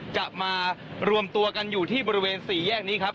จะมารวมตัวกันอยู่ที่บริเวณ๔แยกนี้ครับ